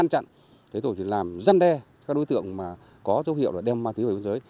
dùng chó nghiệp vụ để truy lùng ngăn chặn làm dân đe các đối tượng có dấu hiệu đem ma túy về quân giới